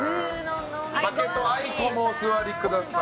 負けとあいこもお座りください。